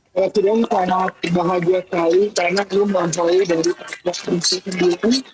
saya sangat bahagia sekali karena saya melampaui dari presiden jokowi